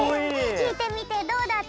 きいてみてどうだった？